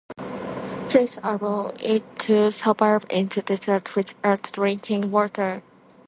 This allows it to survive in the desert without drinking water.